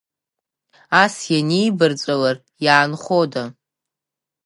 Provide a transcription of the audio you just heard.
Ас инибарҵәалар иаанхода!